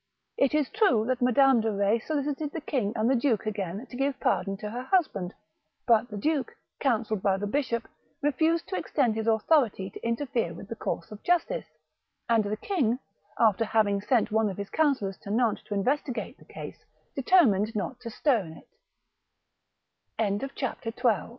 It is true that Madame de Retz solicited the king and the duke again to give pardon to her hus band ; but the duke, counselled by the bishop, refused to extend his authority to interfere with the course of justice ; and the king, after having sent one of his coun cillors to Nantes to investigate the case, de